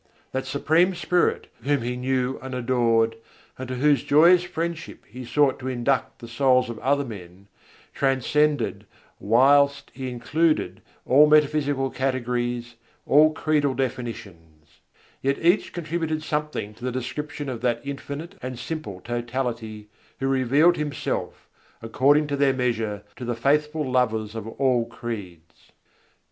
That Supreme Spirit Whom he knew and adored, and to Whose joyous friendship he sought to induct the souls of other men, transcended whilst He included all metaphysical categories, all credal definitions; yet each contributed something to the description of that Infinite and Simple Totality Who revealed Himself, according to their measure, to the faithful lovers of all creeds.